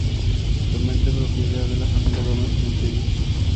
Actualmente propiedad de la familia Gómez Centelles.